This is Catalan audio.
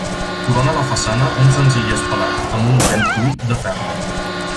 Corona la façana un senzill espadat, amb un pen ull de ferro.